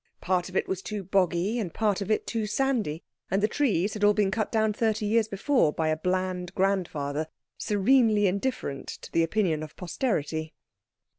Part of it was too boggy, and part of it too sandy, and the trees had all been cut down thirty years before by a bland grandfather, serenely indifferent to the opinion of posterity.